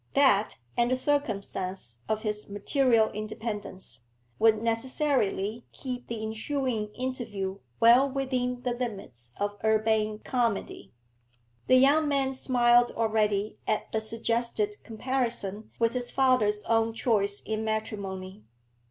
That, and the circumstance of his material independence, would necessarily keep the ensuing interview well within the limits of urbane comedy. The young man smiled already at the suggested comparison with his father's own choice in matrimony.